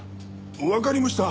わかりました。